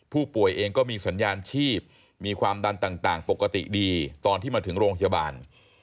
ผู้ป่วยเองก็มีสัญญาณชีพมีความดันต่างปกติดีตอนที่มาถึงโรงพยาบาล